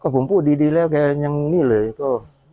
ผมพูดดีแล้วแกยังนี่เลยก็